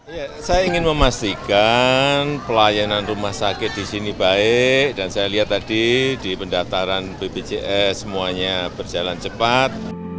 ya saya ingin memastikan pelayanan rumah sakit di sini baik dan saya lihat tadi di pendaftaran bpjs semuanya berjalan cepat